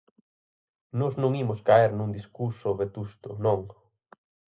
Nós non imos caer nun discurso vetusto, non.